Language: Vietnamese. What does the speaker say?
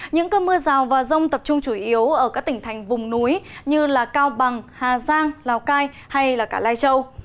những cơn mưa rào và rông tập trung chủ yếu ở các tỉnh thành vùng núi như cao bằng hà giang lào cai hay cả lai châu